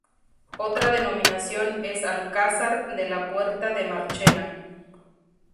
Otra denominación es Alcázar de la Puerta de Marchena.